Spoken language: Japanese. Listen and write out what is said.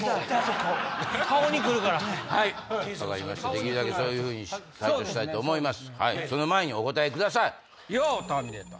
できるだけそういうふうに対処したいと思います。